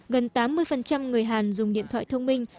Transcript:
gần tám mươi người hàn dùng điện thoại thông minh